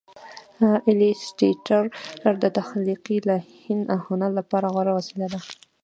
ایلیسټریټر د تخلیقي لاین هنر لپاره غوره وسیله ده.